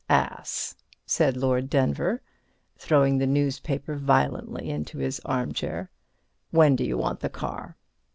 "Ass!" said Lord Denver, throwing the newspaper violently into his armchair. "When do you want the car?"